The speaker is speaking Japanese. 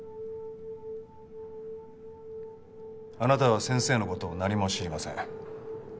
あなたは先生の事を何も知りません。